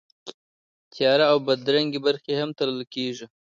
تیاره او بدرنګې برخې یې هم تلل کېږي.